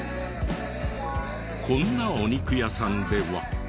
こんなお肉屋さんでは。